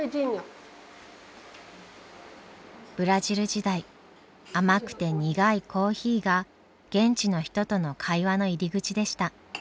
ブラジル時代甘くて苦いコーヒーが現地の人との会話の入り口でした。